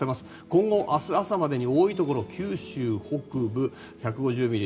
今後、明日朝までに多いところ九州北部１５０ミリ